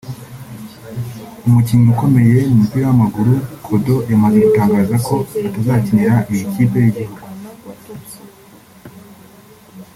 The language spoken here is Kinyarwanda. umukinnyi ukomeye mu mupira w’amaguru Kodo yamaze gutangaza ko atazakinira iyi kipe y’igihugu